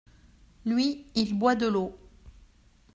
Lui, il boit de l’eau.